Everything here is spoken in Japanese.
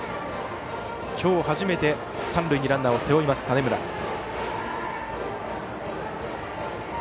今日初めて三塁にランナーを背負います、種村。